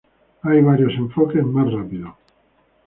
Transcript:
Hay varios enfoques más rápidos.